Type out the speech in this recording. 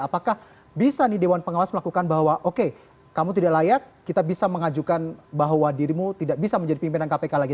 apakah bisa nih dewan pengawas melakukan bahwa oke kamu tidak layak kita bisa mengajukan bahwa dirimu tidak bisa menjadi pimpinan kpk lagi